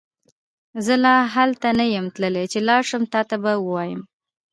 زه لا هلته نه يم تللی چې لاړشم تا ته به وويم